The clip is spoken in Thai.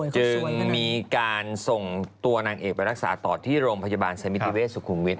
จึงมีการส่งตัวนางเอกไปรักษาต่อที่โรงพยาบาลสมิติเวศสุขุมวิทย